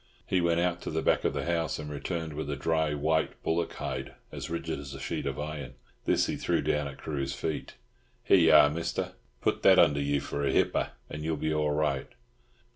He went out to the back of the house, and returned with a dry white bullock hide, as rigid as a sheet of iron. This he threw down at Carew's feet. "Here y'are, Mister; put that under you for a hipper, and you'll be all right."